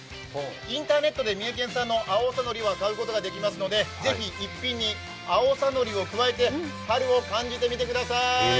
インターネットで青さのりを買うことができますのでぜひ一品に青さのりを加えて春を感じてみてください！